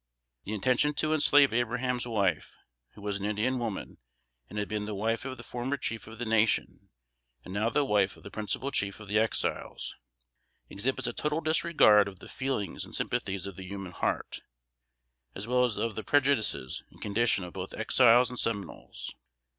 The intention to enslave Abraham's wife, who was an Indian woman and had been the wife of the former chief of the nation, and now the wife of the principal chief of the Exiles, exhibits a total disregard of the feelings and sympathies of the human heart, as well as of the prejudices and condition of both Exiles and Seminoles.